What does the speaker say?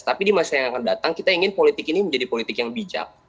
tapi di masa yang akan datang kita ingin politik ini menjadi politik yang bijak